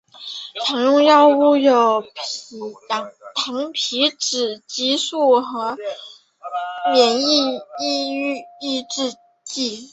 常用的药物有糖皮质激素和免疫抑制剂。